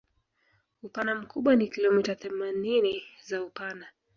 Upana mkubwa ni kilometa themanini za upana